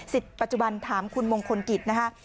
ปัจจุบันถามคุณมงคลกิจนะคะ